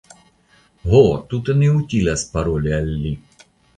Ho, tute ne utilas paroli al li.